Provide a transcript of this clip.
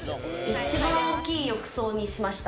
一番大きい浴槽にしました。